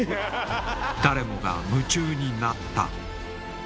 誰もが夢中になった。